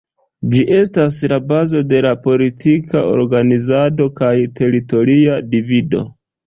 Ĝi estas la bazo de la politika organizado kaj teritoria divido.